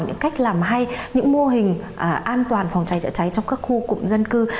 những cách làm hay những mô hình an toàn phòng cháy chữa cháy trong các khu cụm dân cư